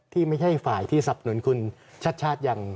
ที่ไม่ใช่ฝ่ายที่สับหนุนคุณชาติชาติอย่าง